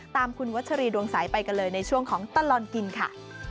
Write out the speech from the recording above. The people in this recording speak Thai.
ตามคุณวัชรีดวงใสไปกันเลยในช่วงของตลอดกินค่ะ